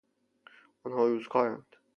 آنها روز کارند.